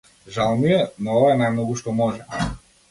Жал ми е, но ова е најмногу што можеме.